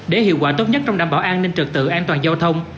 để hiệu quả tốt nhất trong đảm bảo an ninh trực tự an toàn giao thông